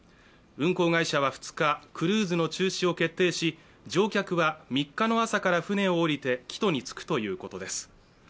運航会社は２日、クルーズの中止を決定し、乗客は３日の朝から船を降りて帰途に着くということです。